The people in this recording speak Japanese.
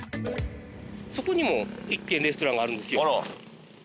そこにも１軒レストランがあるんですよ。